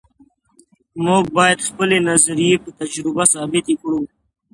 موږ باید خپلې نظریې په تجربه ثابتې کړو.